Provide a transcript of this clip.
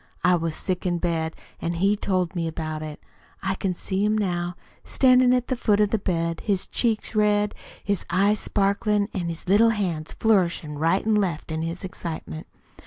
I was sick in bed, an' he told me about it. I can see him now, standin' at the foot of the bed, his cheeks red, his eyes sparklin' an' his little hands flourishin' right an' left in his excitement.